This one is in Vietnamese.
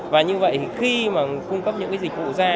và như vậy thì khi mà cung cấp những cái dịch vụ ra